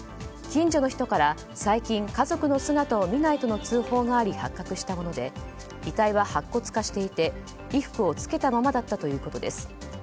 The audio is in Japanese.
近所の人から最近、家族の姿を見ないとの通報があり、発覚したもので遺体は白骨化していて衣服を着けたままだったということです。